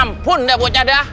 ampun pak cahdah